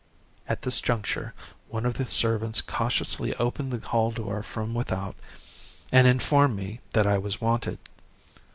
At this juncture one of the servants cautiously opened the hall door from without, and informed me I was wanted.